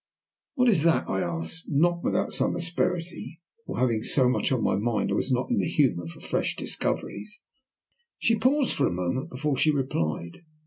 "What is that?" I asked, not without some asperity, for, having so much on my mind, I was not in the humour for fresh discoveries. She paused for a moment before she replied.